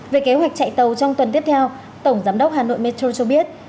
về kế hoạch chạy tàu trong tuần tiếp theo tổng giám đốc hà nội metro cho biết